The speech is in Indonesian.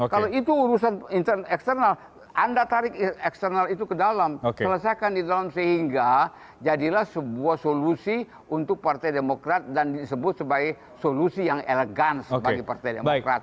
kalau itu urusan eksternal anda tarik eksternal itu ke dalam selesaikan di dalam sehingga jadilah sebuah solusi untuk partai demokrat dan disebut sebagai solusi yang elegans bagi partai demokrat